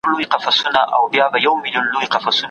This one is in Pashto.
کتاب لوستل به تر وخت ضايع کولو زيات ارزښت پيدا کړي.